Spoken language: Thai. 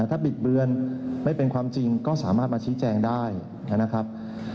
ถ้าบิดเบือนไม่เป็นความจริงก็สามารถมาชี้แจงได้นะครับ